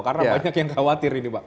karena banyak yang khawatir ini pak